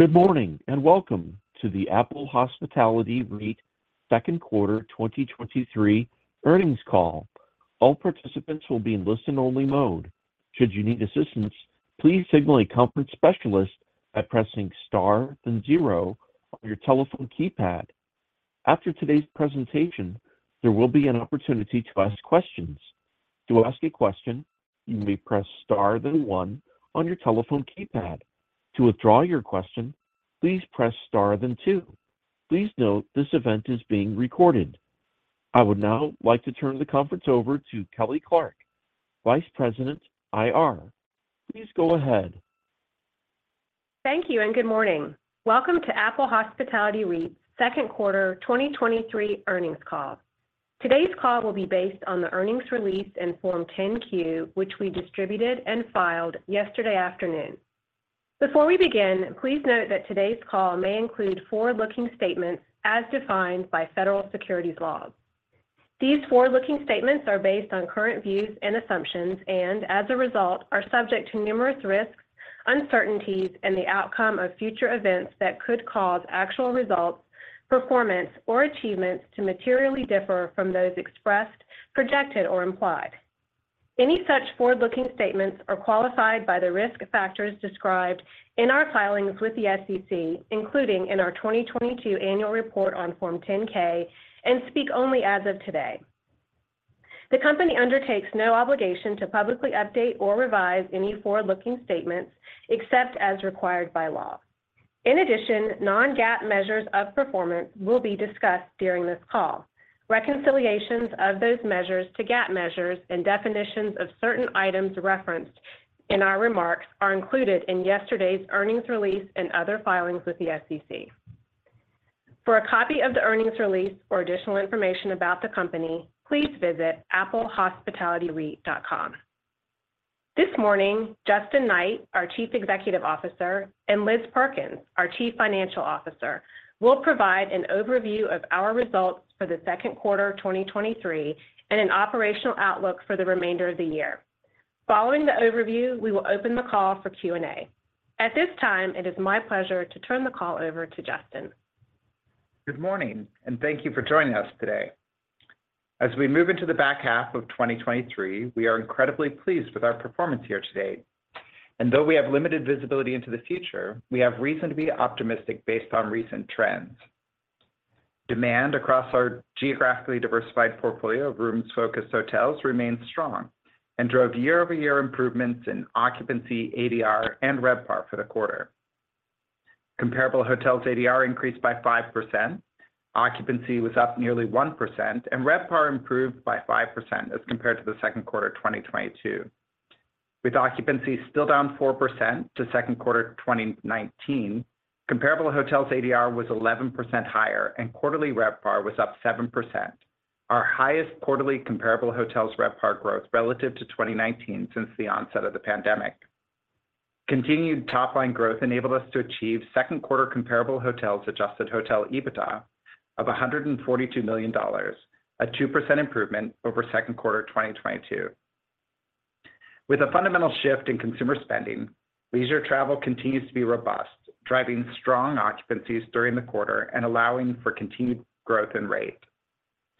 Good morning, and welcome to the Apple Hospitality REIT second quarter 2023 earnings call. All participants will be in listen-only mode. Should you need assistance, please signal a conference specialist by pressing Star then zero on your telephone keypad. After today's presentation, there will be an opportunity to ask questions. To ask a question, you may press Star then one on your telephone keypad. To withdraw your question, please press Star then two. Please note, this event is being recorded. I would now like to turn the conference over to Kelly Clarke, Vice President, IR. Please go ahead. Thank you, and good morning. Welcome to Apple Hospitality REIT's second quarter 2023 earnings call. Today's call will be based on the earnings release in Form 10-Q, which we distributed and filed yesterday afternoon. Before we begin, please note that today's call may include forward-looking statements as defined by federal securities laws. These forward-looking statements are based on current views and assumptions, and as a result, are subject to numerous risks, uncertainties, and the outcome of future events that could cause actual results, performance, or achievements to materially differ from those expressed, projected, or implied. Any such forward-looking statements are qualified by the risk factors described in our filings with the SEC, including in our 2022 Annual Report on Form 10-K, and speak only as of today. The company undertakes no obligation to publicly update or revise any forward-looking statements, except as required by law. In addition, non-GAAP measures of performance will be discussed during this call. Reconciliations of those measures to GAAP measures and definitions of certain items referenced in our remarks are included in yesterday's earnings release and other filings with the SEC. For a copy of the earnings release or additional information about the company, please visit applehospitalityreit.com. This morning, Justin Knight, our Chief Executive Officer, and Liz Perkins, our Chief Financial Officer, will provide an overview of our results for the second quarter of 2023 and an operational outlook for the remainder of the year. Following the overview, we will open the call for Q&A. At this time, it is my pleasure to turn the call over to Justin. Good morning, thank you for joining us today. As we move into the back half of 2023, we are incredibly pleased with our performance here today. Though we have limited visibility into the future, we have reason to be optimistic based on recent trends. Demand across our geographically diversified portfolio of rooms-focused hotels remains strong and drove year-over-year improvements in occupancy, ADR, and RevPAR for the quarter. Comparable hotels ADR increased by 5%, occupancy was up nearly 1%, and RevPAR improved by 5% as compared to the second quarter of 2022. With occupancy still down 4% to second quarter of 2019, comparable hotels ADR was 11% higher, and quarterly RevPAR was up 7%. Our highest quarterly comparable hotels RevPAR growth relative to 2019 since the onset of the pandemic. Continued top-line growth enabled us to achieve second quarter comparable hotels adjusted hotel EBITDA of $142 million, a 2% improvement over second quarter 2022. With a fundamental shift in consumer spending, leisure travel continues to be robust, driving strong occupancies during the quarter and allowing for continued growth in rate.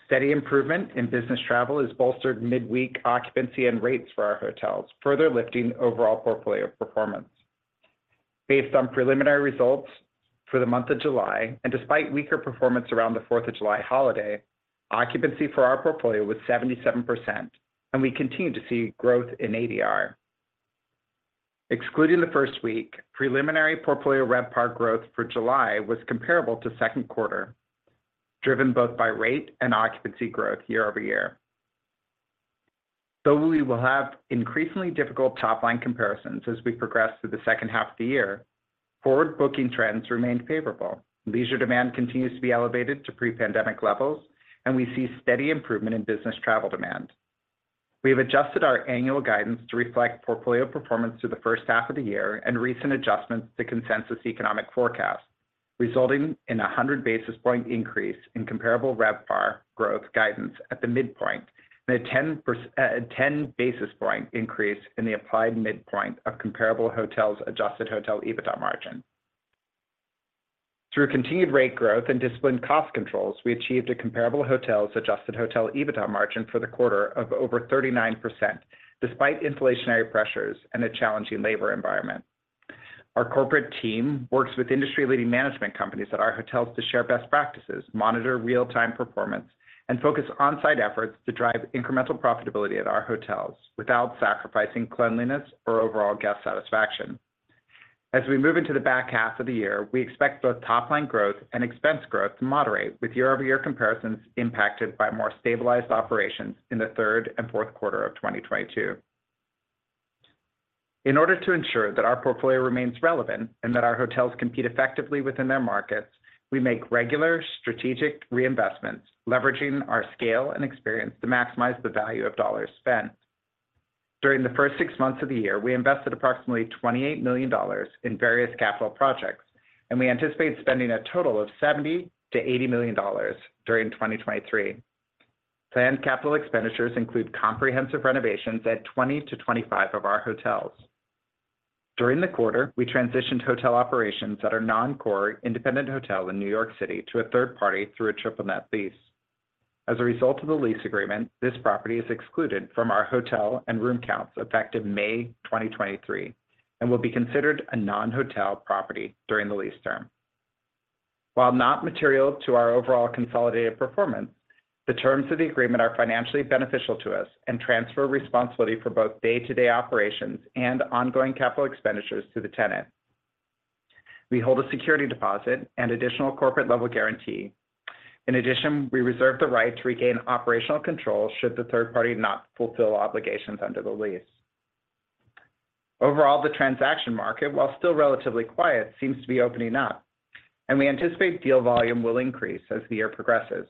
Steady improvement in business travel has bolstered midweek occupancy and rates for our hotels, further lifting overall portfolio performance. Based on preliminary results for the month of July, and despite weaker performance around the Fourth of July holiday, occupancy for our portfolio was 77%, and we continued to see growth in ADR. Excluding the first week, preliminary portfolio RevPAR growth for July was comparable to second quarter, driven both by rate and occupancy growth year-over-year. Though we will have increasingly difficult top-line comparisons as we progress through the second half of the year, forward booking trends remained favorable. Leisure demand continues to be elevated to pre-pandemic levels. We see steady improvement in business travel demand. We have adjusted our annual guidance to reflect portfolio performance through the first half of the year and recent adjustments to consensus economic forecast, resulting in a 100 basis point increase in comparable RevPAR growth guidance at the midpoint, and a 10 basis point increase in the applied midpoint of comparable hotels adjusted hotel EBITDA margin. Through continued rate growth and disciplined cost controls, we achieved a comparable hotels adjusted hotel EBITDA margin for the quarter of over 39%, despite inflationary pressures and a challenging labor environment. Our corporate team works with industry-leading management companies at our hotels to share best practices, monitor real-time performance, and focus on-site efforts to drive incremental profitability at our hotels without sacrificing cleanliness or overall guest satisfaction. As we move into the back half of the year, we expect both top-line growth and expense growth to moderate, with year-over-year comparisons impacted by more stabilized operations in the third and fourth quarter of 2022. In order to ensure that our portfolio remains relevant and that our hotels compete effectively within their markets, we make regular strategic reinvestments, leveraging our scale and experience to maximize the value of dollars spent. During the first 6 months of the year, we invested approximately $28 million in various capital projects, and we anticipate spending a total of $70 million-$80 million during 2023. Planned capital expenditures include comprehensive renovations at 20-25 of our hotels. During the quarter, we transitioned hotel operations at our non-core independent hotel in New York City to a third party through a triple net lease. As a result of the lease agreement, this property is excluded from our hotel and room counts effective May 2023, and will be considered a non-hotel property during the lease term. While not material to our overall consolidated performance, the terms of the agreement are financially beneficial to us and transfer responsibility for both day-to-day operations and ongoing capital expenditures to the tenant. We hold a security deposit and additional corporate level guarantee. In addition, we reserve the right to regain operational control should the third party not fulfill obligations under the lease. Overall, the transaction market, while still relatively quiet, seems to be opening up. We anticipate deal volume will increase as the year progresses.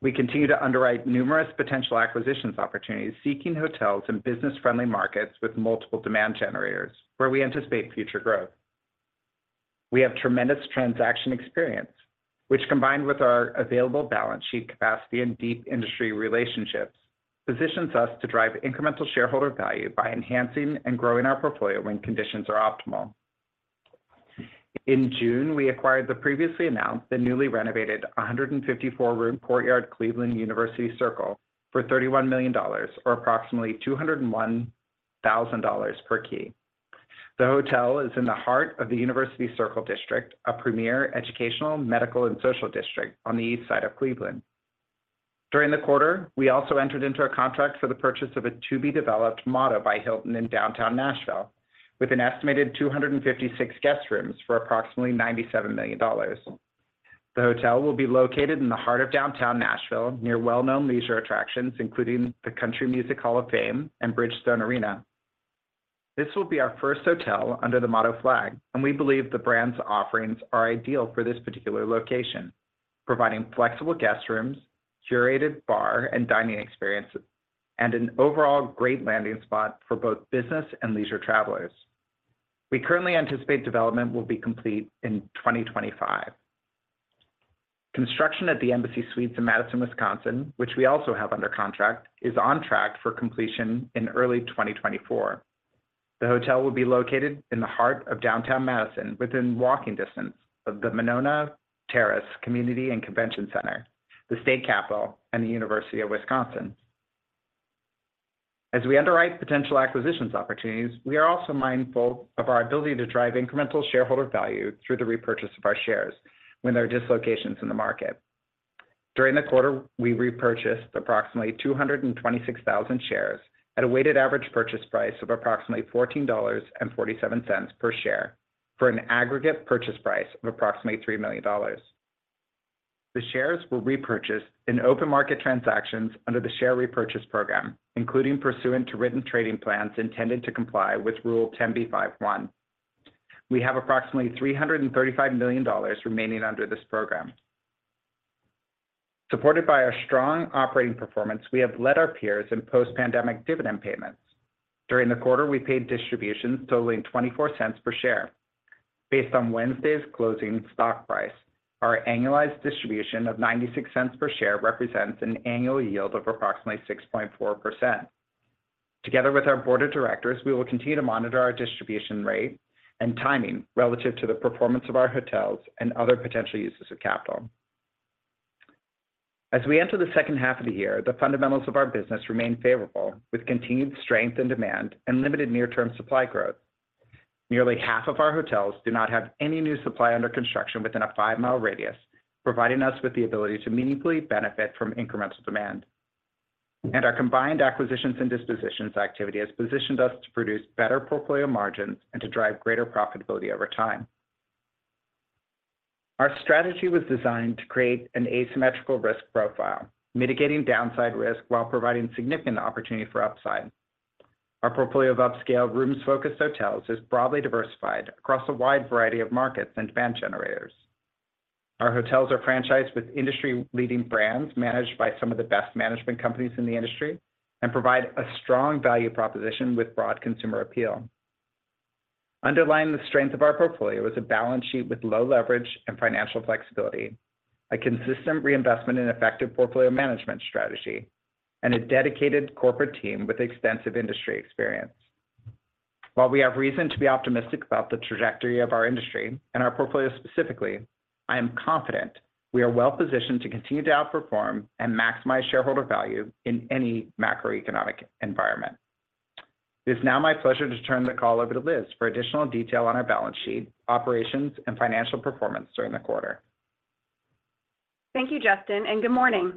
We continue to underwrite numerous potential acquisitions opportunities, seeking hotels in business-friendly markets with multiple demand generators, where we anticipate future growth. We have tremendous transaction experience, which combined with our available balance sheet capacity and deep industry relationships, positions us to drive incremental shareholder value by enhancing and growing our portfolio when conditions are optimal. In June, we acquired the previously announced, the newly renovated 154-room Courtyard Cleveland University Circle for $31 million, or approximately $201,000 per key. The hotel is in the heart of the University Circle District, a premier educational, medical, and social district on the east side of Cleveland. During the quarter, we also entered into a contract for the purchase of a to-be-developed Motto by Hilton in downtown Nashville, with an estimated 256 guest rooms for approximately $97 million. The hotel will be located in the heart of downtown Nashville, near well-known leisure attractions, including the Country Music Hall of Fame and Bridgestone Arena. This will be our first hotel under the Motto flag, and we believe the brand's offerings are ideal for this particular location, providing flexible guest rooms, curated bar and dining experiences, and an overall great landing spot for both business and leisure travelers. We currently anticipate development will be complete in 2025. Construction at the Embassy Suites in Madison, Wisconsin, which we also have under contract, is on track for completion in early 2024. The hotel will be located in the heart of downtown Madison, within walking distance of the Monona Terrace Community and Convention Center, the State Capitol, and the University of Wisconsin. As we underwrite potential acquisitions opportunities, we are also mindful of our ability to drive incremental shareholder value through the repurchase of our shares when there are dislocations in the market. During the quarter, we repurchased approximately 226,000 shares at a weighted average purchase price of approximately $14.47 per share, for an aggregate purchase price of approximately $3 million. The shares were repurchased in open market transactions under the share repurchase program, including pursuant to written trading plans intended to comply with Rule 10b5-1. We have approximately $335 million remaining under this program. Supported by our strong operating performance, we have led our peers in post-pandemic dividend payments. During the quarter, we paid distributions totaling $0.24 per share. Based on Wednesday's closing stock price, our annualized distribution of $0.96 per share represents an annual yield of approximately 6.4%. Together with our board of directors, we will continue to monitor our distribution rate and timing relative to the performance of our hotels and other potential uses of capital. As we enter the second half of the year, the fundamentals of our business remain favorable, with continued strength and demand and limited near-term supply growth. Nearly half of our hotels do not have any new supply under construction within a five-mile radius, providing us with the ability to meaningfully benefit from incremental demand. Our combined acquisitions and dispositions activity has positioned us to produce better portfolio margins and to drive greater profitability over time. Our strategy was designed to create an asymmetrical risk profile, mitigating downside risk while providing significant opportunity for upside. Our portfolio of upscale rooms-focused hotels is broadly diversified across a wide variety of markets and demand generators. Our hotels are franchised with industry-leading brands, managed by some of the best management companies in the industry, and provide a strong value proposition with broad consumer appeal. Underlying the strength of our portfolio is a balance sheet with low leverage and financial flexibility, a consistent reinvestment in effective portfolio management strategy, and a dedicated corporate team with extensive industry experience. While we have reason to be optimistic about the trajectory of our industry and our portfolio specifically, I am confident we are well positioned to continue to outperform and maximize shareholder value in any macroeconomic environment. It's now my pleasure to turn the call over to Liz for additional detail on our balance sheet, operations, and financial performance during the quarter. Thank you, Justin. Good morning.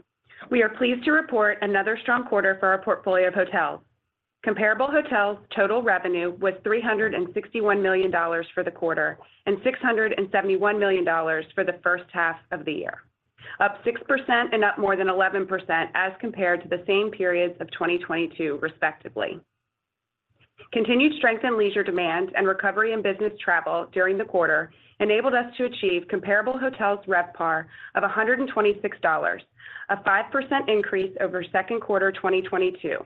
We are pleased to report another strong quarter for our portfolio of hotels. Comparable hotels total revenue was $361 million for the quarter and $671 million for the first half of the year, up 6% and up more than 11% as compared to the same periods of 2022, respectively. Continued strength in leisure demand and recovery in business travel during the quarter enabled us to achieve comparable hotels' RevPAR of $126, a 5% increase over second quarter 2022.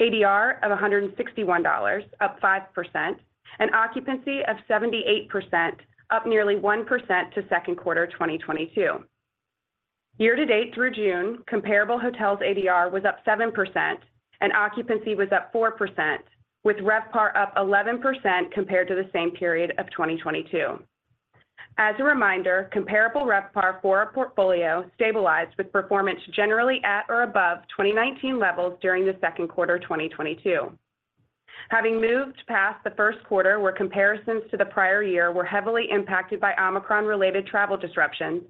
ADR of $161, up 5%, and occupancy of 78%, up nearly 1% to second quarter 2022. Year to date through June, comparable hotels ADR was up 7% and occupancy was up 4%, with RevPAR up 11% compared to the same period of 2022. As a reminder, comparable RevPAR for our portfolio stabilized, with performance generally at or above 2019 levels during the second quarter 2022. Having moved past the first quarter, where comparisons to the prior year were heavily impacted by Omicron-related travel disruptions,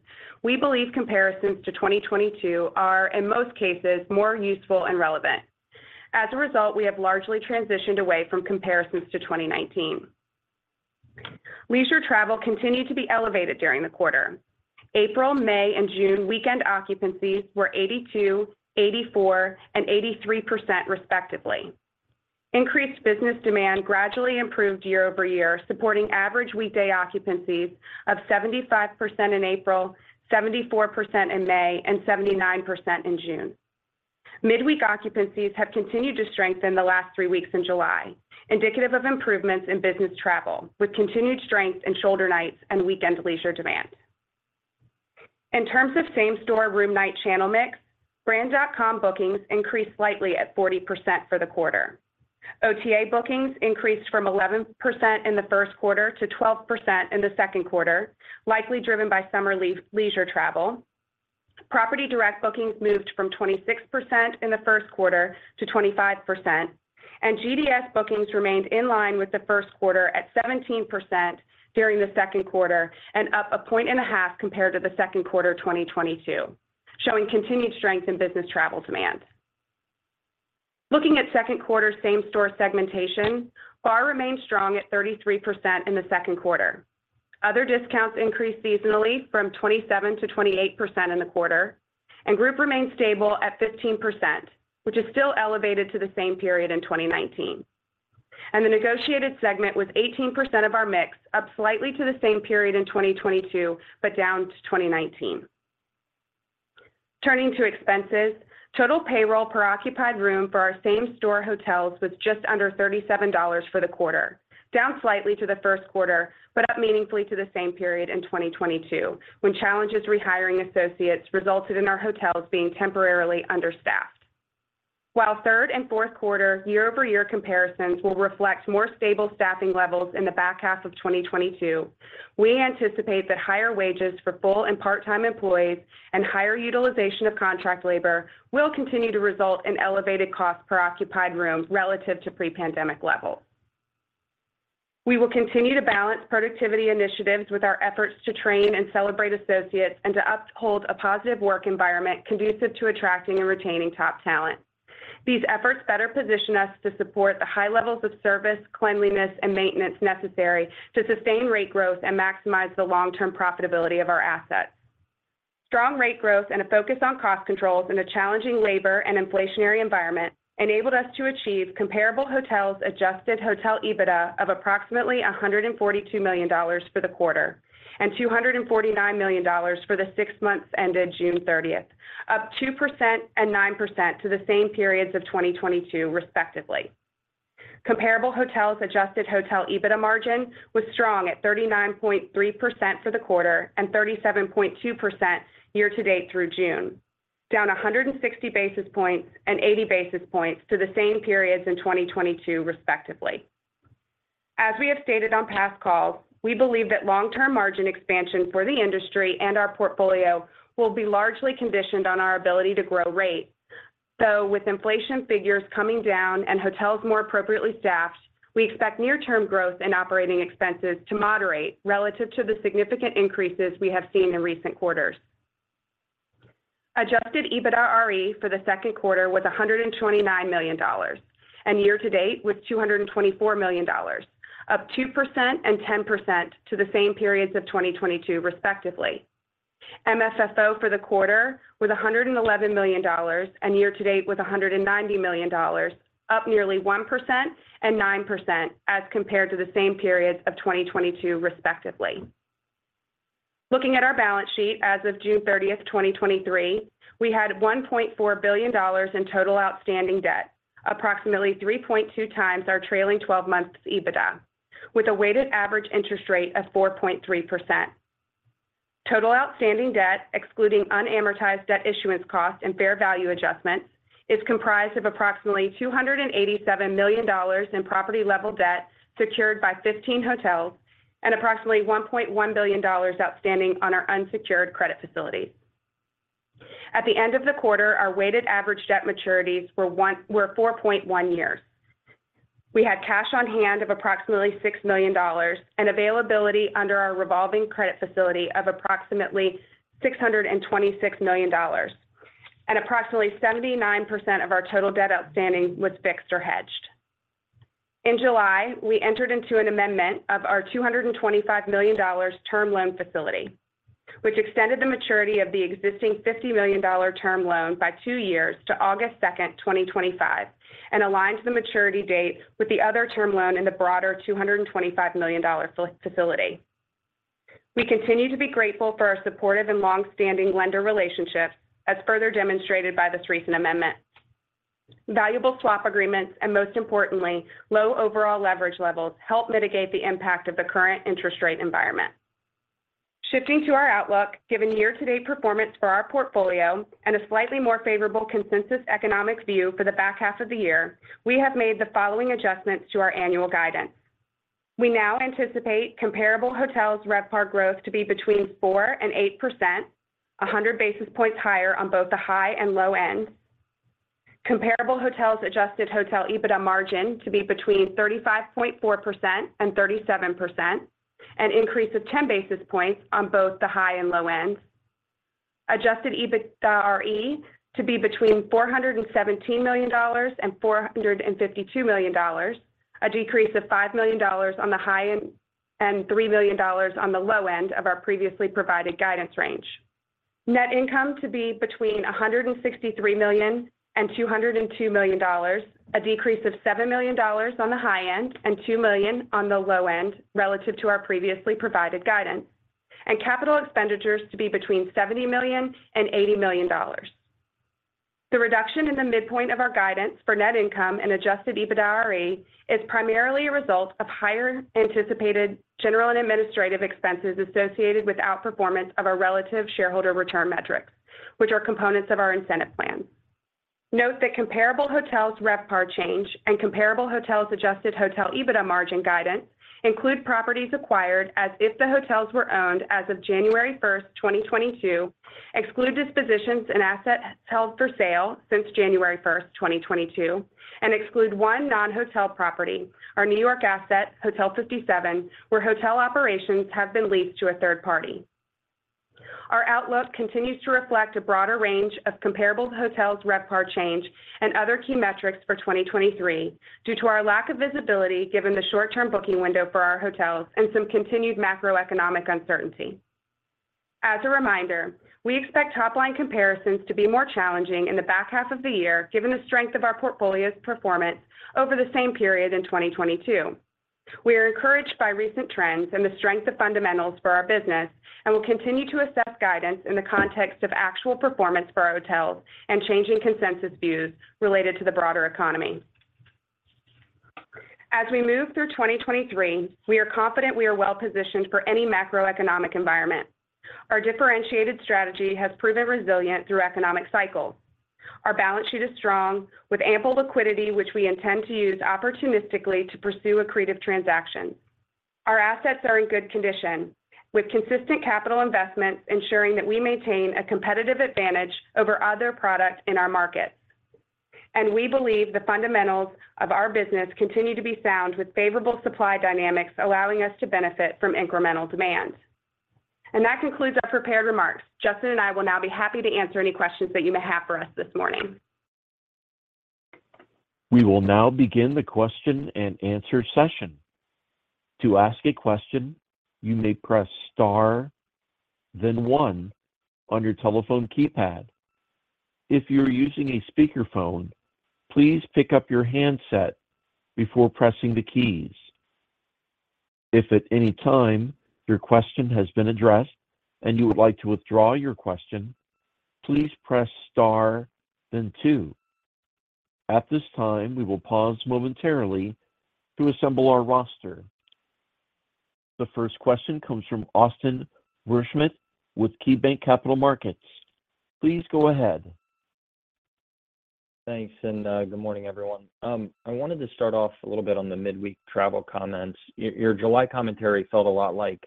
we believe comparisons to 2022 are, in most cases, more useful and relevant. As a result, we have largely transitioned away from comparisons to 2019. Leisure travel continued to be elevated during the quarter. April, May, and June weekend occupancies were 82%, 84%, and 83%, respectively. Increased business demand gradually improved year-over-year, supporting average weekday occupancies of 75% in April, 74% in May, and 79% in June. Midweek occupancies have continued to strengthen the last 3 weeks in July, indicative of improvements in business travel, with continued strength in shoulder nights and weekend leisure demand. In terms of same-store room night channel mix, brand.com bookings increased slightly at 40% for the quarter. OTA bookings increased from 11% in the first quarter to 12% in the second quarter, likely driven by summer leave leisure travel. Property direct bookings moved from 26% in the first quarter to 25%, and GDS bookings remained in line with the first quarter at 17% during the second quarter, and up 1.5 compared to the second quarter of 2022, showing continued strength in business travel demand. Looking at second quarter same-store segmentation, BAR remained strong at 33% in the second quarter. Other discounts increased seasonally from 27% to 28% in the quarter, and group remained stable at 15%, which is still elevated to the same period in 2019. The negotiated segment was 18% of our mix, up slightly to the same period in 2022, but down to 2019. Turning to expenses, total payroll per occupied room for our same-store hotels was just under $37 for the quarter, down slightly to the first quarter, but up meaningfully to the same period in 2022, when challenges rehiring associates resulted in our hotels being temporarily understaffed. While third and fourth quarter year-over-year comparisons will reflect more stable staffing levels in the back half of 2022, we anticipate that higher wages for full- and part-time employees and higher utilization of contract labor will continue to result in elevated cost per occupied rooms relative to pre-pandemic levels. We will continue to balance productivity initiatives with our efforts to train and celebrate associates, and to uphold a positive work environment conducive to attracting and retaining top talent. These efforts better position us to support the high levels of service, cleanliness, and maintenance necessary to sustain rate growth and maximize the long-term profitability of our assets. Strong rate growth and a focus on cost controls in a challenging labor and inflationary environment enabled us to achieve comparable hotels adjusted hotel EBITDA of approximately $142 million for the quarter, and $249 million for the six months ended June 30th, up 2% and 9% to the same periods of 2022, respectively. Comparable hotels adjusted hotel EBITDA margin was strong at 39.3% for the quarter and 37.2% year to date through June, down 160 basis points and 80 basis points to the same periods in 2022, respectively. As we have stated on past calls, we believe that long-term margin expansion for the industry and our portfolio will be largely conditioned on our ability to grow rates. With inflation figures coming down and hotels more appropriately staffed, we expect near-term growth in operating expenses to moderate relative to the significant increases we have seen in recent quarters. Adjusted EBITDAre for the second quarter was $129 million, and year to date was $224 million, up 2% and 10% to the same periods of 2022, respectively. MFFO for the quarter was $111 million, and year to date was $190 million, up nearly 1% and 9% as compared to the same periods of 2022, respectively. Looking at our balance sheet as of June 30, 2023, we had $1.4 billion in total outstanding debt, approximately 3.2 times our trailing twelve months EBITDA, with a weighted average interest rate of 4.3%. Total outstanding debt, excluding unamortized debt issuance costs and fair value adjustments, is comprised of approximately $287 million in property-level debt secured by 15 hotels and approximately $1.1 billion outstanding on our unsecured credit facility. At the end of the quarter, our weighted average debt maturities were 4.1 years. We had cash on hand of approximately $6 million and availability under our revolving credit facility of approximately $626 million, and approximately 79% of our total debt outstanding was fixed or hedged. In July, we entered into an amendment of our $225 million term loan facility, which extended the maturity of the existing $50 million term loan by 2 years to August 2, 2025, and aligns the maturity date with the other term loan in the broader $225 million facility. We continue to be grateful for our supportive and long-standing lender relationships, as further demonstrated by this recent amendment. Most importantly, low overall leverage levels help mitigate the impact of the current interest rate environment. Shifting to our outlook, given year-to-date performance for our portfolio and a slightly more favorable consensus economic view for the back half of the year, we have made the following adjustments to our annual guidance. We now anticipate comparable hotels' RevPAR growth to be between 4% and 8%, 100 basis points higher on both the high and low end. Comparable hotels adjusted hotel EBITDA margin to be between 35.4% and 37%, an increase of 10 basis points on both the high and low end. Adjusted EBITDARE to be between $417 million and $452 million, a decrease of $5 million on the high end and $3 million on the low end of our previously provided guidance range. Net income to be between $163 million and $202 million, a decrease of $7 million on the high end and $2 million on the low end, relative to our previously provided guidance. Capital expenditures to be between $70 million and $80 million. The reduction in the midpoint of our guidance for net income and adjusted EBITDAre is primarily a result of higher anticipated general and administrative expenses associated with outperformance of our relative shareholder return metrics, which are components of our incentive plan. Note that comparable hotels' RevPAR change and comparable hotels' adjusted hotel EBITDA margin guidance include properties acquired as if the hotels were owned as of January 1, 2022, exclude dispositions and assets held for sale since January 1, 2022, and exclude one non-hotel property, our New York asset, Hotel 57, where hotel operations have been leased to a third party. Our outlook continues to reflect a broader range of comparable hotels' RevPAR change and other key metrics for 2023, due to our lack of visibility, given the short-term booking window for our hotels and some continued macroeconomic uncertainty. As a reminder, we expect top-line comparisons to be more challenging in the back half of the year, given the strength of our portfolio's performance over the same period in 2022. We are encouraged by recent trends and the strength of fundamentals for our business, and will continue to assess guidance in the context of actual performance for our hotels and changing consensus views related to the broader economy. As we move through 2023, we are confident we are well positioned for any macroeconomic environment. Our differentiated strategy has proven resilient through economic cycles. Our balance sheet is strong, with ample liquidity, which we intend to use opportunistically to pursue accretive transactions. Our assets are in good condition, with consistent capital investments, ensuring that we maintain a competitive advantage over other products in our markets. We believe the fundamentals of our business continue to be sound, with favorable supply dynamics allowing us to benefit from incremental demand. That concludes our prepared remarks. Justin and I will now be happy to answer any questions that you may have for us this morning. We will now begin the question and answer session. To ask a question, you may press star, then 1 on your telephone keypad. If you're using a speakerphone, please pick up your handset before pressing the keys. If at any time your question has been addressed and you would like to withdraw your question, please press star, then two. At this time, we will pause momentarily to assemble our roster. The first question comes from Austin Wurschmidt with KeyBanc Capital Markets. Please go ahead. Thanks, and good morning, everyone. I wanted to start off a little bit on the midweek travel comments. Your July commentary felt a lot like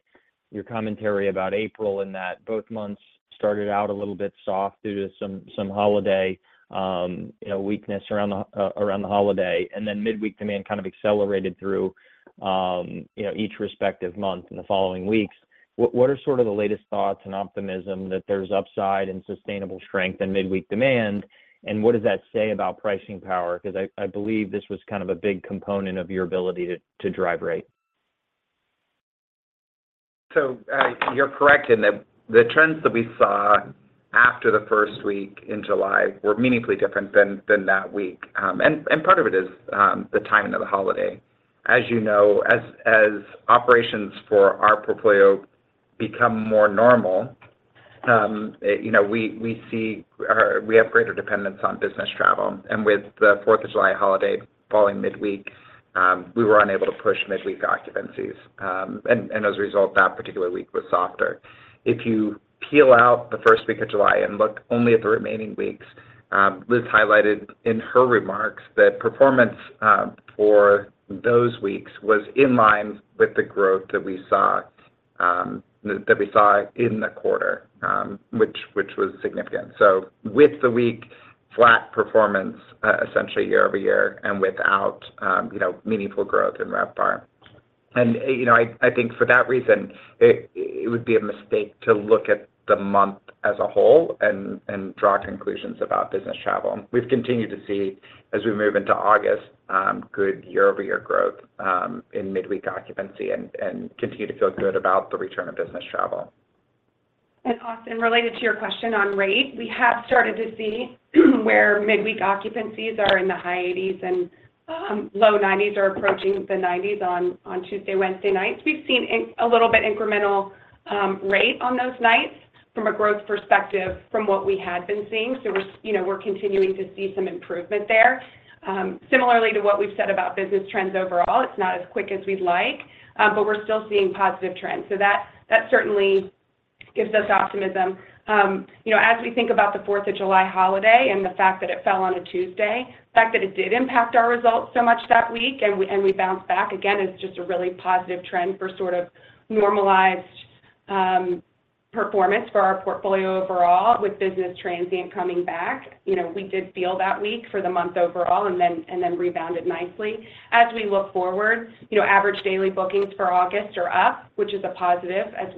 your commentary about April, in that both months started out a little bit soft due to some, some holiday, you know, weakness around the, around the holiday, and then midweek demand kind of accelerated through, you know, each respective month in the following weeks. What are sort of the latest thoughts and optimism that there's upside and sustainable strength in midweek demand, and what does that say about pricing power? Because I believe this was kind of a big component of your ability to drive rate. You're correct in that the trends that we saw after the first week in July were meaningfully different than, than that week. Part of it is the timing of the holiday. As you know, as operations for our portfolio become more normal, you know, we have greater dependence on business travel, and with the Fourth of July holiday falling midweek, we were unable to push midweek occupancies. As a result, that particular week was softer. If you peel out the first week of July and look only at the remaining weeks, Liz highlighted in her remarks that performance for those weeks was in line with the growth that we saw that we saw in the quarter, which was significant. With the week, flat performance, essentially year-over-year and without, you know, meaningful growth in RevPAR. You know, I, I think for that reason, it, it would be a mistake to look at the month as a whole and, and draw conclusions about business travel. We've continued to see, as we move into August, good year-over-year growth in midweek occupancy and, and continue to feel good about the return of business travel. Austin, related to your question on rate, we have started to see where midweek occupancies are in the high 80s and low 90s, or approaching the 90s on, on Tuesday, Wednesday nights. We've seen a little bit incremental rate on those nights from a growth perspective from what we had been seeing. We're, you know, we're continuing to see some improvement there. Similarly to what we've said about business trends overall, it's not as quick as we'd like, but we're still seeing positive trends. That, that certainly gives us optimism. You know, as we think about the Fourth of July holiday and the fact that it fell on a Tuesday, the fact that it did impact our results so much that week, and we, and we bounced back again, is just a really positive trend for sort of normalized performance for our portfolio overall, with business transient coming back. You know, we did feel that week for the month overall and then, and then rebounded nicely. As we look forward, you know, average daily bookings for August are up, which is a positive as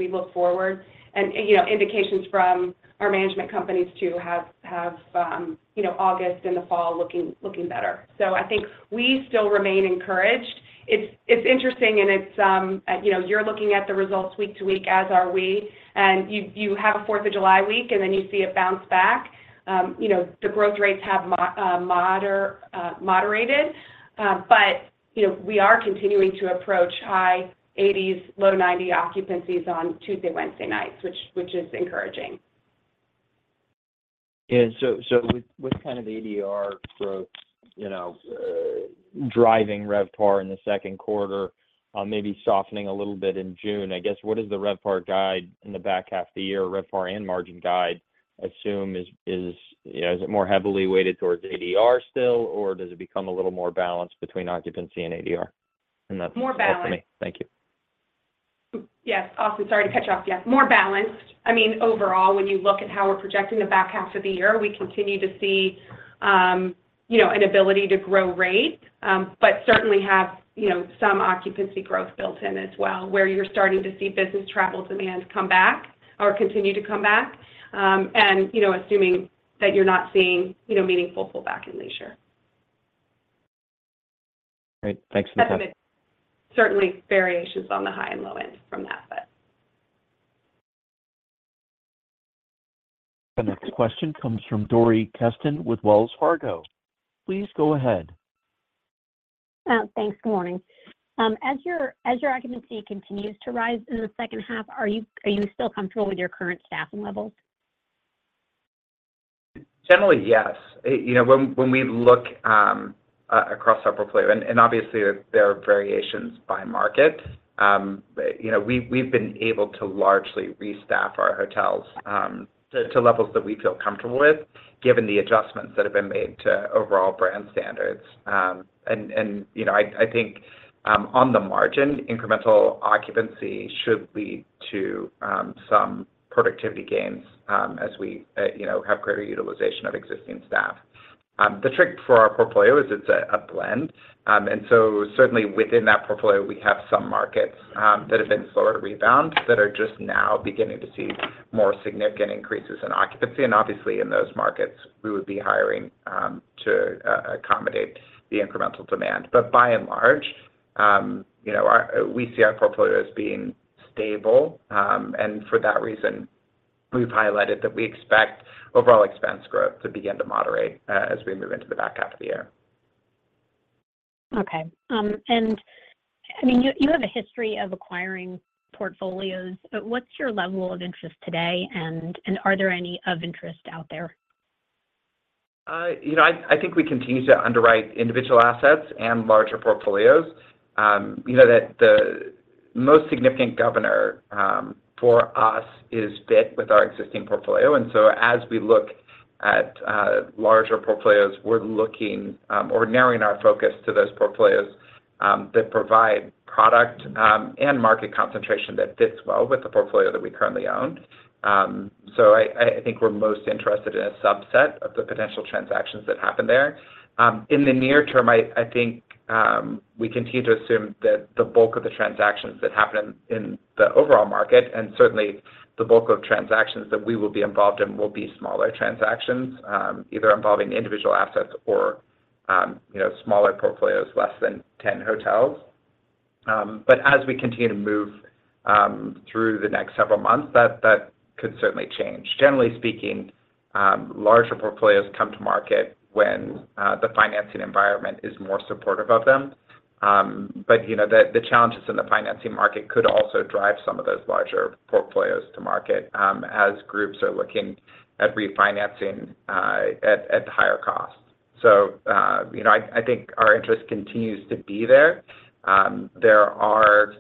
we look forward. You know, indications from our management companies, too, have, have, you know, August and the fall looking, looking better. I think we still remain encouraged. It's, it's interesting, and it's. You know, you're looking at the results week to week, as are we, and you, you have a Fourth of July week, and then you see it bounce back. You know, the growth rates have moderated, but, you know, we are continuing to approach high 80s, low 90 occupancies on Tuesday, Wednesday nights, which, which is encouraging. So with, what kind of ADR growth, you know, driving RevPAR in the second quarter, maybe softening a little bit in June? I guess, what is the RevPAR guide in the back half of the year, RevPAR and margin guide assume is, you know, is it more heavily weighted towards ADR still, or does it become a little more balanced between occupancy and ADR? That's More balanced. Thank you. Yes, Austin, sorry to cut you off. Yes, more balanced. I mean, overall, when you look at how we're projecting the back half of the year, we continue to see, you know, an ability to grow rate, but certainly have, you know, some occupancy growth built in as well, where you're starting to see business travel demand come back or continue to come back. You know, assuming that you're not seeing, you know, meaningful pullback in leisure. Great. Thanks so much. Certainly variations on the high and low end from that. The next question comes from Dori Kesten with Wells Fargo. Please go ahead. Thanks. Good morning. As your, as your occupancy continues to rise in the second half, are you, are you still comfortable with your current staffing levels? Generally, yes. You know, when we look, across our portfolio, and obviously there, there are variations by market, but, you know, we've been able to largely restaff our hotels, to levels that we feel comfortable with, given the adjustments that have been made to overall brand standards. You know, I think, on the margin, incremental occupancy should lead to, some productivity gains, as we, you know, have greater utilization of existing staff. The trick for our portfolio is it's a blend. Certainly within that portfolio, we have some markets, that have been slower to rebound, that are just now beginning to see more significant increases in occupancy, and obviously in those markets, we would be hiring, to accommodate the incremental demand. By and large, you know, we see our portfolio as being stable. For that reason, we've highlighted that we expect overall expense growth to begin to moderate, as we move into the back half of the year. Okay. I mean, you, you have a history of acquiring portfolios, but what's your level of interest today, and, and are there any of interest out there? you know, I, I think we continue to underwrite individual assets and larger portfolios. you know, the most significant governor for us is fit with our existing portfolio, and so as we look at larger portfolios, we're looking or narrowing our focus to those portfolios that provide product and market concentration that fits well with the portfolio that we currently own. I, I, I think we're most interested in a subset of the potential transactions that happen there. In the near term, I, I think, we continue to assume that the bulk of the transactions that happen in the overall market, and certainly the bulk of transactions that we will be involved in, will be smaller transactions, either involving individual assets or, you know, smaller portfolios, less than 10 hotels. As we continue to move through the next several months, that, that could certainly change. Generally speaking, larger portfolios come to market when the financing environment is more supportive of them. You know, the, the challenges in the financing market could also drive some of those larger portfolios to market as groups are looking at refinancing at higher costs. You know, I, I think our interest continues to be there. There are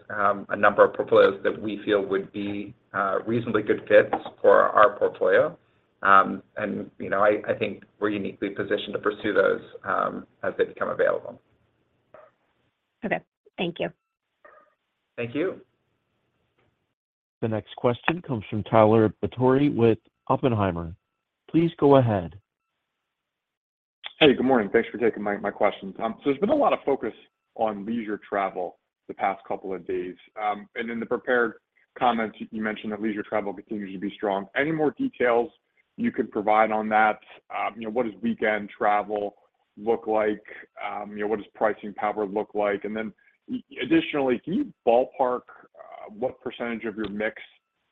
a number of portfolios that we feel would be reasonably good fits for our portfolio. You know, I, I think we're uniquely positioned to pursue those as they become available. Okay. Thank you. Thank you. The next question comes from Tyler Batory with Oppenheimer. Please go ahead. Hey, good morning. Thanks for taking my, my questions. There's been a lot of focus on leisure travel the past couple of days. In the prepared comments, you mentioned that leisure travel continues to be strong. Any more details you could provide on that? you know, what does weekend travel look like? You know, what does pricing power look like? Then, additionally, can you ballpark, what percentage of your mix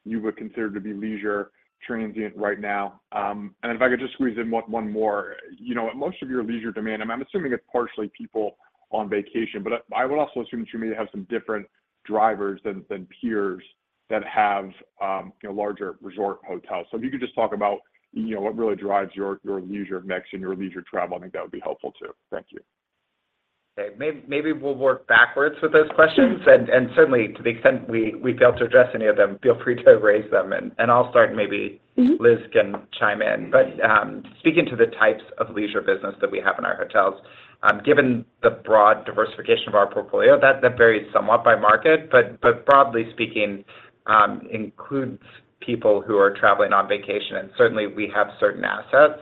you would consider to be leisure transient right now? If I could just squeeze in one, one more. You know, most of your leisure demand, I'm, I'm assuming it's partially people on vacation, but I, I would also assume that you may have some different drivers than, than peers that have, you know, larger resort hotels. If you could just talk about, you know, what really drives your, your leisure mix and your leisure travel, I think that would be helpful, too. Thank you. Okay. Maybe we'll work backwards with those questions. Certainly, to the extent we, we fail to address any of them, feel free to raise them. I'll start, and maybe. Mm-hmm Liz can chime in. Speaking to the types of leisure business that we have in our hotels, given the broad diversification of our portfolio, that, that varies somewhat by market, but, but broadly speaking, includes people who are traveling on vacation. Certainly, we have certain assets,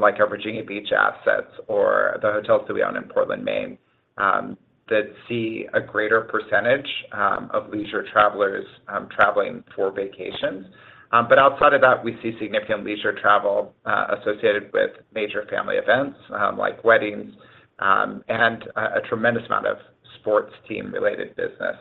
like our Virginia Beach assets or the hotels that we own in Portland, Maine, that see a greater percentage of leisure travelers traveling for vacations. Outside of that, we see significant leisure travel associated with major family events, like weddings, and a tremendous amount of sports team-related business.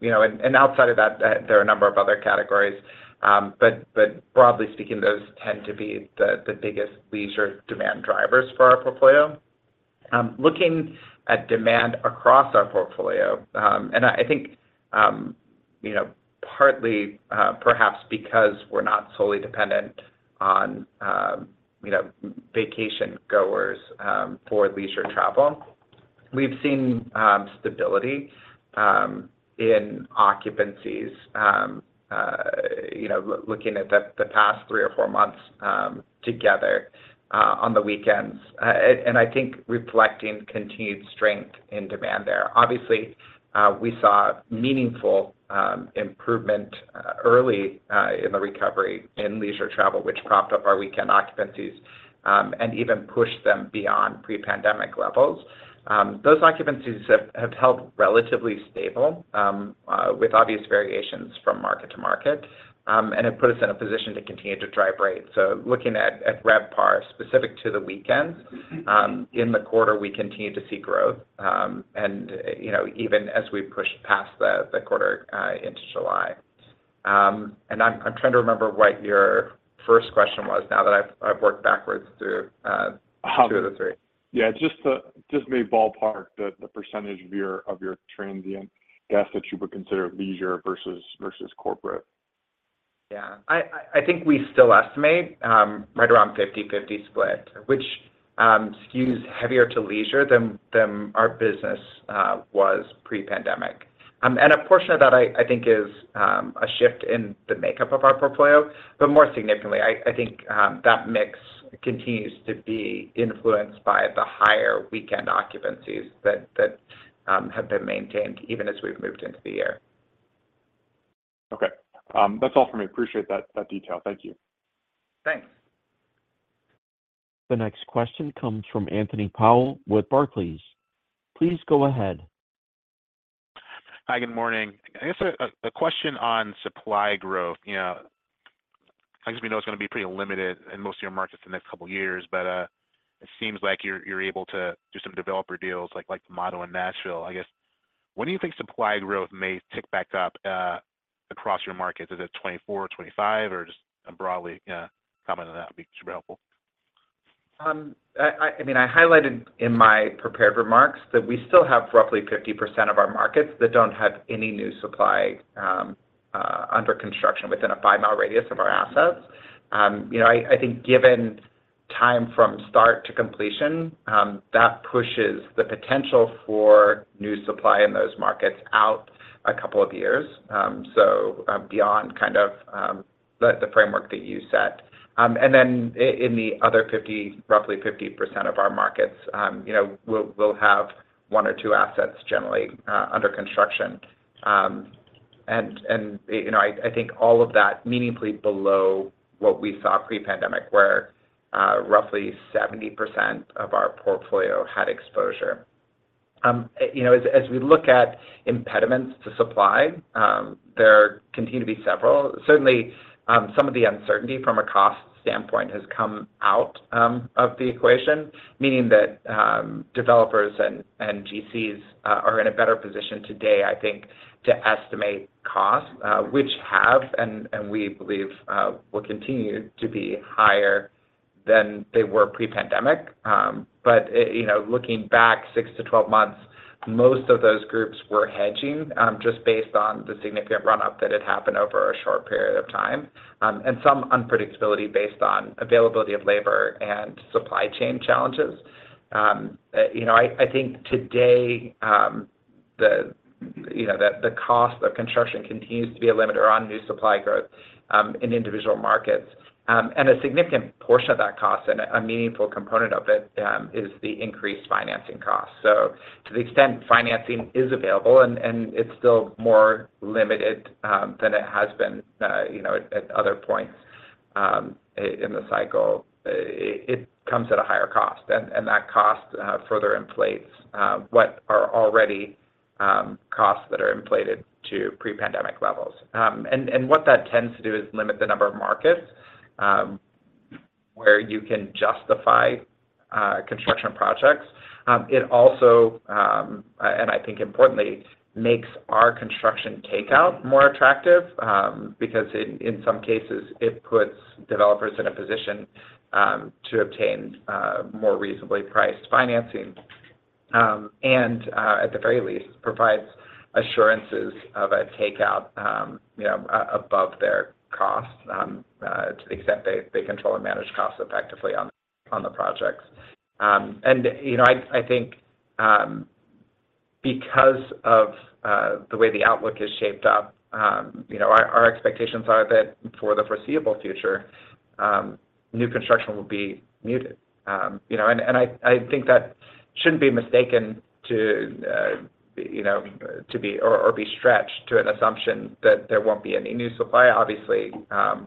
You know, and outside of that, there are a number of other categories, but, but broadly speaking, those tend to be the biggest leisure demand drivers for our portfolio. Looking at demand across our portfolio, and I, I think, you know, partly, perhaps because we're not solely dependent on, you know, vacation goers, for leisure travel, we've seen stability in occupancies, looking at the past three or four months, together on the weekends. I think reflecting continued strength in demand there. Obviously, we saw meaningful improvement early in the recovery in leisure travel, which propped up our weekend occupancies and even pushed them beyond pre-pandemic levels. Those occupancies have, have held relatively stable, with obvious variations from market to market, and have put us in a position to continue to drive rates. Looking at, at RevPAR specific to the weekends, in the quarter, we continued to see growth, and, you know, even as we pushed past the, the quarter, into July. I'm, I'm trying to remember what your first question was now that I've, I've worked backwards through, two of the three. Yeah, just just maybe ballpark the percentage of your transient guests that you would consider leisure versus corporate. Yeah. I, I, I think we still estimate right around 50/50 split, which skews heavier to leisure than, than our business was pre-pandemic. A portion of that, I, I think, is a shift in the makeup of our portfolio, but more significantly, I, I think, that mix continues to be influenced by the higher weekend occupancies that, that have been maintained even as we've moved into the year. Okay. That's all for me. Appreciate that, that detail. Thank you. Thanks. The next question comes from Anthony Powell with Barclays. Please go ahead. Hi, good morning. I guess a question on supply growth. You know, I guess we know it's gonna be pretty limited in most of your markets in the next couple of years, but it seems like you're able to do some developer deals, like the Motto in Nashville. I guess, when do you think supply growth may tick back up across your markets? Is it 2024, 2025, or just broadly comment on that would be super helpful. I mean, I highlighted in my prepared remarks that we still have roughly 50% of our markets that don't have any new supply under construction within a five mile radius of our assets. You know, I think given time from start to completion, that pushes the potential for new supply in those markets out a couple of years, so beyond kind of the framework that you set. And then in the other 50, roughly 50% of our markets, you know, we'll have one or two assets generally under construction. You know, I think all of that meaningfully below what we saw pre-pandemic, where roughly 70% of our portfolio had exposure. You know, as, as we look at impediments to supply, there continue to be several. Certainly, some of the uncertainty from a cost standpoint has come out of the equation, meaning that developers and, and GCs are in a better position today, I think, to estimate costs, which have, and, and we believe, will continue to be higher than they were pre-pandemic. You know, looking back six to twelve months, most of those groups were hedging, just based on the significant run-up that had happened over a short period of time, and some unpredictability based on availability of labor and supply chain challenges. You know, I, I think today, the, you know, the, the cost of construction continues to be a limiter on new supply growth in individual markets. A significant portion of that cost and a meaningful component of it is the increased financing cost. To the extent financing is available, and, and it's still more limited than it has been, you know, at, at other points in the cycle, it, it comes at a higher cost. That cost further inflates what are already costs that are inflated to pre-pandemic levels. What that tends to do is limit the number of markets where you can justify construction projects. It also, and I think importantly, makes our construction takeout more attractive, because in, in some cases, it puts developers in a position to obtain more reasonably priced financing, and at the very least, provides assurances of a takeout, you know, above their costs, to the extent they, they control and manage costs effectively on, on the projects. You know, I, I think, because of the way the outlook has shaped up, you know, our, our expectations are that for the foreseeable future, new construction will be muted. You know, I, I think that shouldn't be mistaken to, you know, to be or, or be stretched to an assumption that there won't be any new supply. Obviously,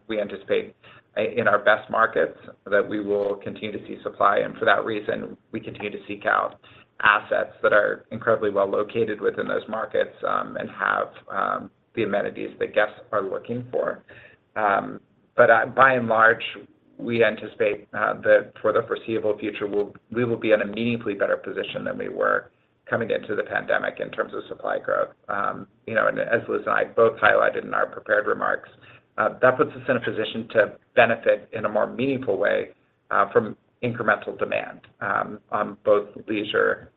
we anticipate in our best markets, that we will continue to see supply. For that reason, we continue to seek out assets that are incredibly well located within those markets and have the amenities that guests are looking for. By and large, we anticipate that for the foreseeable future, we will be in a meaningfully better position than we were coming into the pandemic in terms of supply growth. You know, as Liz and I both highlighted in our prepared remarks, that puts us in a position to benefit in a more meaningful way from incremental demand on both leisure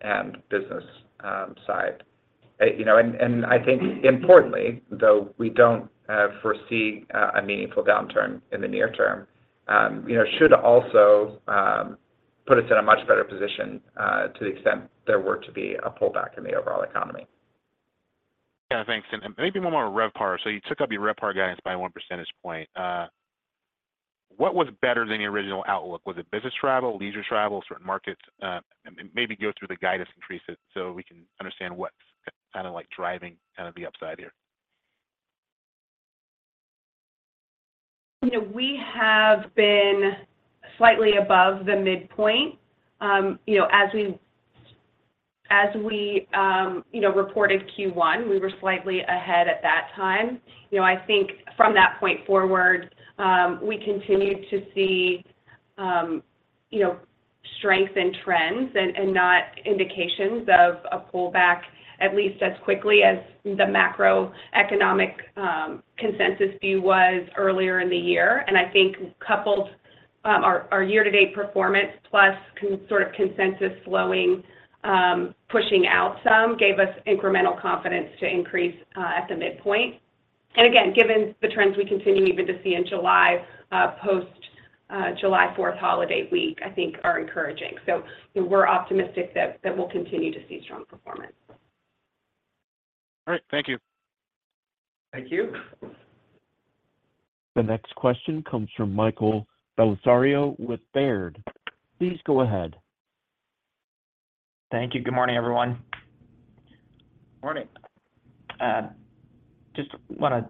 and business side. You know, and I think importantly, though, we don't foresee a meaningful downturn in the near term, you know, should also put us in a much better position to the extent there were to be a pullback in the overall economy. Yeah, thanks. Maybe one more on RevPAR. You took up your RevPAR guidance by one percentage point. What was better than the original outlook? Was it business travel, leisure travel, certain markets? Maybe go through the guidance increase, so we can understand what's kind of like driving kind of the upside here. You know, we have been slightly above the midpoint. You know, as we, you know, reported Q1, we were slightly ahead at that time. You know, I think from that point forward, we continued to see, you know, strength in trends and, and not indications of a pullback, at least as quickly as the macroeconomic consensus view was earlier in the year. I think coupled, our year-to-date performance, plus sort of consensus slowing, pushing out some, gave us incremental confidence to increase at the midpoint. Again, given the trends we continue even to see in July, post July 4th holiday week, I think are encouraging. You know, we're optimistic that, that we'll continue to see strong performance. All right. Thank you. Thank you. The next question comes from Michael Bellisario with Baird. Please go ahead. Thank you. Good morning, everyone. Morning. Just want to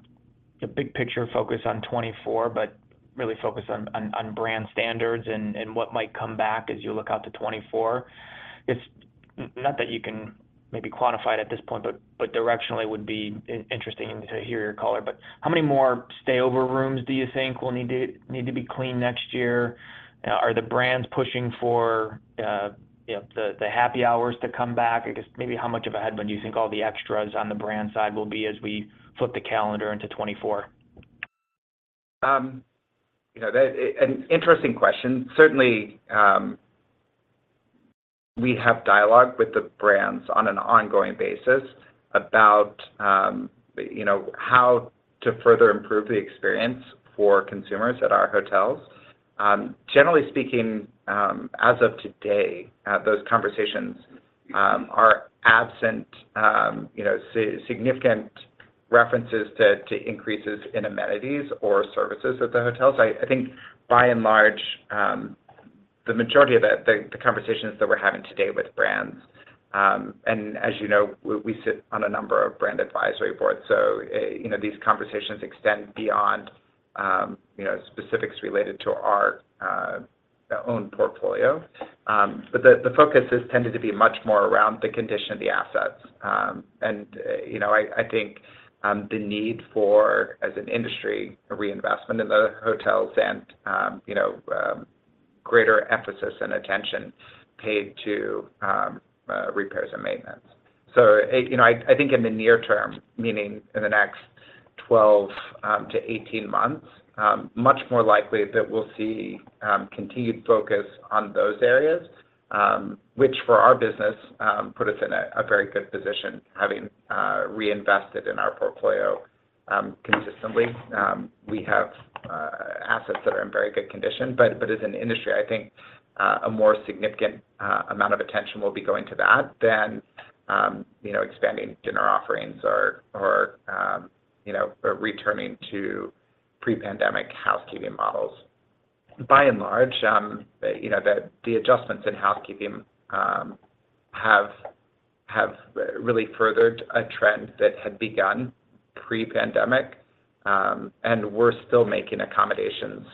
get big picture focus on 2024, but really focus on brand standards and what might come back as you look out to 2024. It's not that you can maybe quantify it at this point, but directionally would be interesting to hear your color. How many more stayover rooms do you think will need to be cleaned next year? Are the brands pushing for, you know, the happy hours to come back? I guess, maybe how much of a headwind do you think all the extras on the brand side will be as we flip the calendar into 2024? You know, that an interesting question. Certainly, we have dialogue with the brands on an ongoing basis about, you know, how to further improve the experience for consumers at our hotels. Generally speaking, as of today, those conversations are absent, you know, significant references to, to increases in amenities or services at the hotels. I, I think by and large, the majority of the, the, the conversations that we're having today with brands, and as you know, we, we sit on a number of brand advisory boards, so, you know, these conversations extend beyond, you know, specifics related to our own portfolio. The, the focus has tended to be much more around the condition of the assets. You know, I, I think, the need for, as an industry, a reinvestment in the hotels and, you know, greater emphasis and attention paid to, repairs and maintenance. You know, I, I think in the near term, meaning in the next 12-18 months, much more likely that we'll see continued focus on those areas, which for our business, put us in a very good position, having reinvested in our portfolio consistently. We have assets that are in very good condition, but as an industry, I think a more significant amount of attention will be going to that than, you know, expanding dinner offerings or, or, you know, or returning to pre-pandemic housekeeping models. By and large, the, you know, the, the adjustments in housekeeping, have, have really furthered a trend that had begun pre-pandemic. We're still making accommodations,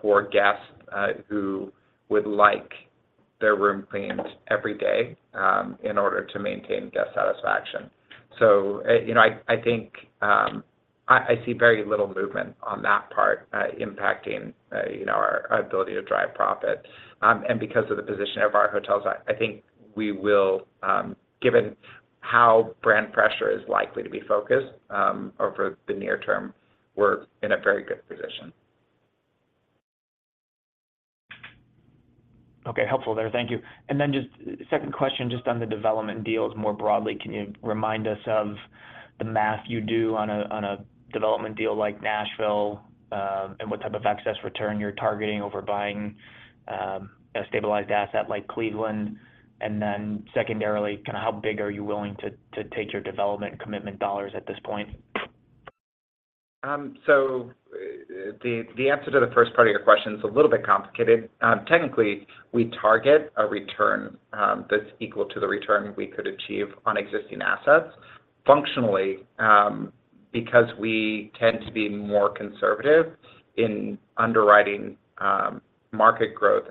for guests, who would like their room cleaned every day, in order to maintain guest satisfaction. You know, I, I think, I, I see very little movement on that part, impacting, you know, our, our ability to drive profit. Because of the position of our hotels, I, I think we will, given how brand pressure is likely to be focused, over the near term, we're in a very good position. Okay, helpful there. Thank you. Then just second question, just on the development deals more broadly, can you remind us of the math you do on a, on a development deal like Nashville, and what type of excess return you're targeting over buying, a stabilized asset like Cleveland? Then secondarily, kind of how big are you willing to, to take your development commitment dollars at this point? The, the answer to the first part of your question is a little bit complicated. Technically, we target a return that's equal to the return we could achieve on existing assets. Functionally, because we tend to be more conservative in underwriting, market growth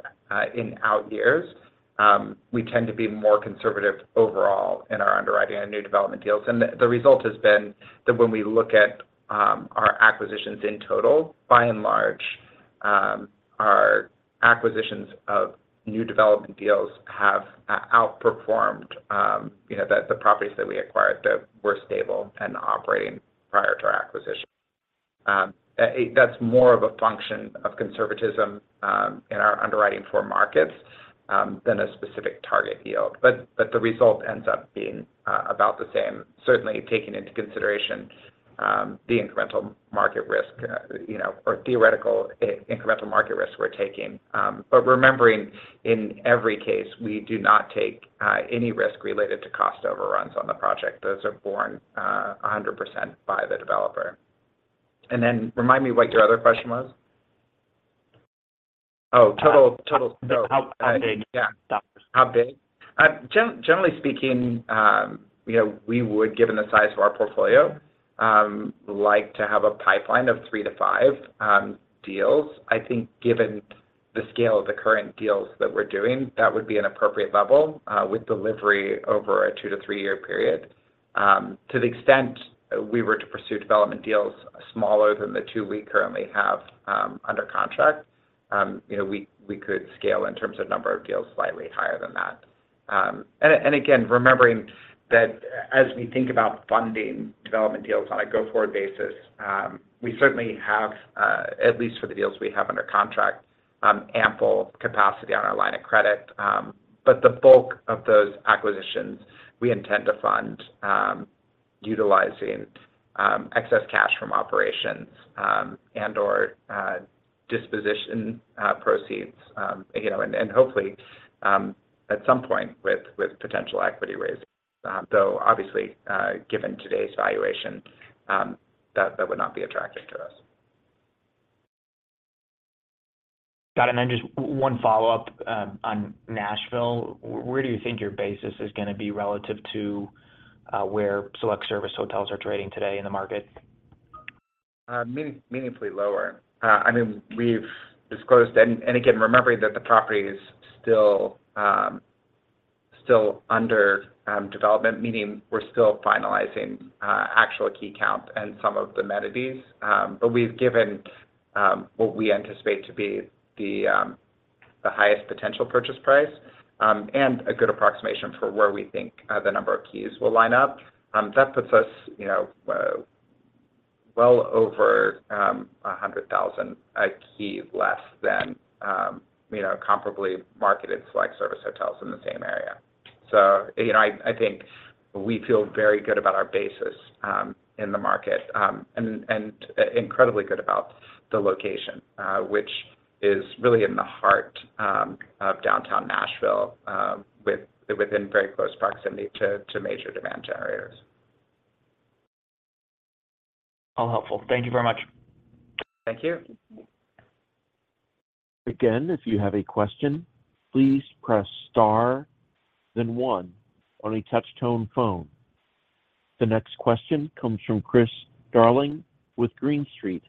in out years, we tend to be more conservative overall in our underwriting on new development deals. The, the result has been that when we look at our acquisitions in total, by and large, our acquisitions of new development deals have outperformed, you know, the, the properties that we acquired that were stable and operating prior to our acquisition. That's more of a function of conservatism in our underwriting for markets than a specific target yield. The result ends up being about the same, certainly taking into consideration, the incremental market risk, you know, or theoretical incremental market risk we're taking. But remembering in every case, we do not take any risk related to cost overruns on the project. Those are born 100% by the developer. Then remind me what your other question was. Oh, total, total... How, how big? Yeah. How big? How big? Generally speaking, you know, we would, given the size of our portfolio, like to have a pipeline of three to five deals. I think given the scale of the current deals that we're doing, that would be an appropriate level, with delivery over a two to three year period. To the extent we were to pursue development deals smaller than the two we currently have, under contract, you know, we, we could scale in terms of number of deals slightly higher than that. Again, remembering that as we think about funding development deals on a go-forward basis, we certainly have, at least for the deals we have under contract, ample capacity on our line of credit. The bulk of those acquisitions, we intend to fund, utilizing, excess cash from operations, and/or, disposition, proceeds, you know, and, and hopefully, at some point with, with potential equity raising. Though obviously, given today's valuation, that, that would not be attractive to us. Got it. Then just one follow-up on Nashville. Where do you think your basis is gonna be relative to where select service hotels are trading today in the market? Meaning- meaningfully lower. I mean, we've disclosed. Again, remembering that the property is still, still under development, meaning we're still finalizing actual key count and some of the amenities, but we've given what we anticipate to be the highest potential purchase price and a good approximation for where we think the number of keys will line up. That puts us, you know, well over 100,000 a key less than, you know, comparably marketed select service hotels in the same area. You know, I, I think we feel very good about our basis in the market, and incredibly good about the location, which is really in the heart of downtown Nashville, within very close proximity to major demand generators. All helpful. Thank you very much. Thank you. If you have a question, please press Star, then One on a touch tone phone. The next question comes from Chris Darling with Green Street.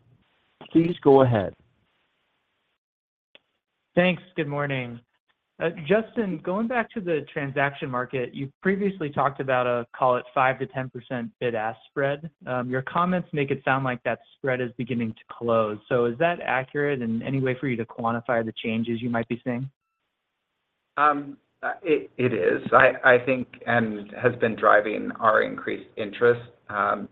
Please go ahead. Thanks. Good morning. Justin, going back to the transaction market, you previously talked about a, call it, 5%-10% bid-ask spread. Your comments make it sound like that spread is beginning to close. Is that accurate, and any way for you to quantify the changes you might be seeing? It is. I think, and has been driving our increased interest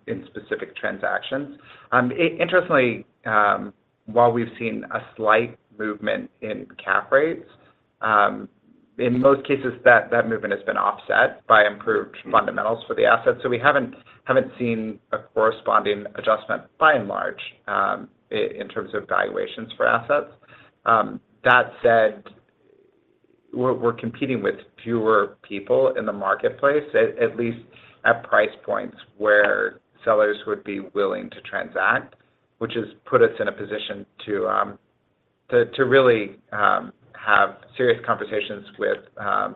in specific transactions. Interestingly, while we've seen a slight movement in cap rates, in most cases, that movement has been offset by improved fundamentals for the assets. We haven't, haven't seen a corresponding adjustment by and large, in terms of valuations for assets. That said, we're competing with fewer people in the marketplace, at least at price points where sellers would be willing to transact, which has put us in a position to really have serious conversations with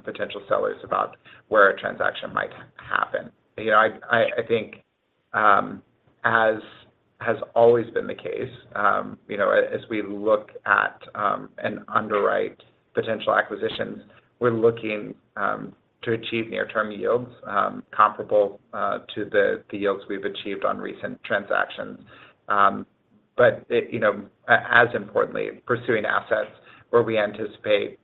potential sellers about where a transaction might happen. You know, I, I, I think, as has always been the case, you know, as we look at and underwrite potential acquisitions, we're looking to achieve near-term yields comparable to the yields we've achieved on recent transactions. It, you know, as importantly, pursuing assets where we anticipate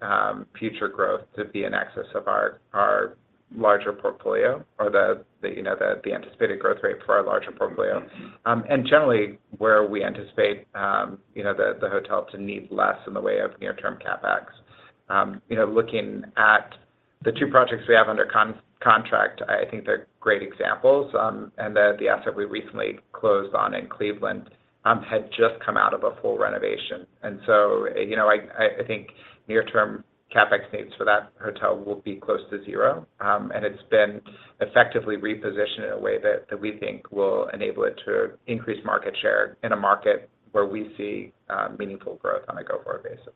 future growth to be in excess of our, our larger portfolio or the, the, you know, the, the anticipated growth rate for our larger portfolio. Generally, where we anticipate, you know, the, the hotel to need less in the way of near-term CapEx. You know, looking at the two projects we have under contract, I think they're great examples, and the asset we recently closed on in Cleveland had just come out of a full renovation. You know, I, I, I think near-term CapEx needs for that hotel will be close to zero. And it's been effectively repositioned in a way that, that we think will enable it to increase market share in a market where we see meaningful growth on a go-forward basis.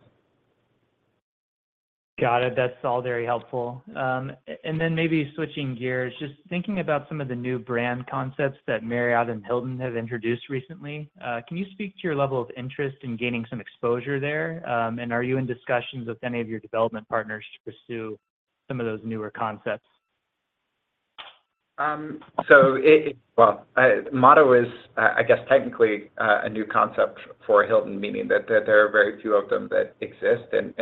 Got it. That's all very helpful. Then maybe switching gears, just thinking about some of the new brand concepts that Marriott and Hilton have introduced recently, can you speak to your level of interest in gaining some exposure there? Are you in discussions with any of your development partners to pursue some of those newer concepts? It, it well, Motto is, I, I guess, technically, a new concept for Hilton, meaning that there, there are very few of them that exist, and,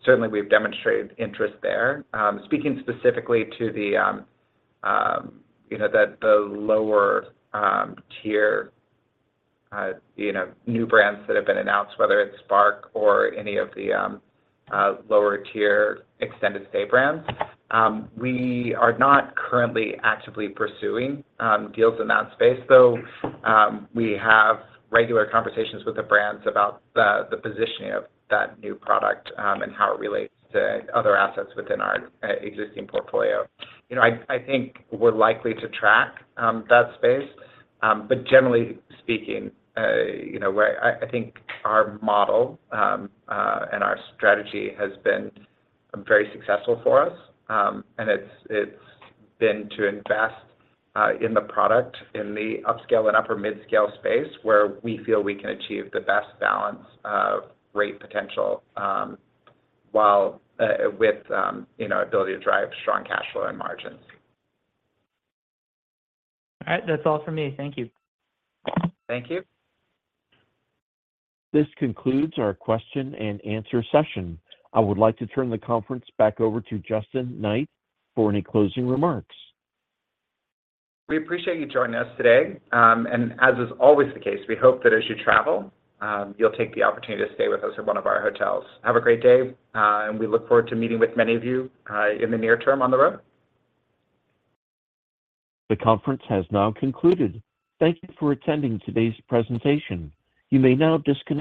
and certainly we've demonstrated interest there. Speaking specifically to the, you know, the, the lower, tier, you know, new brands that have been announced, whether it's Spark or any of the, lower-tier extended stay brands, we are not currently actively pursuing, deals in that space, though, we have regular conversations with the brands about the, the positioning of that new product, and how it relates to other assets within our, existing portfolio. You know, I, I think we're likely to track, that space. Generally speaking, you know, where I, I think our model and our strategy has been very successful for us. It's, it's been to invest in the product in the upscale and upper mid-scale space, where we feel we can achieve the best balance of rate potential, while with, you know, ability to drive strong cash flow and margins. All right. That's all for me. Thank you. Thank you. This concludes our question and answer session. I would like to turn the conference back over to Justin Knight for any closing remarks. We appreciate you joining us today. As is always the case, we hope that as you travel, you'll take the opportunity to stay with us at one of our hotels. Have a great day, and we look forward to meeting with many of you in the near term on the road. The conference has now concluded. Thank you for attending today's presentation. You may now disconnect.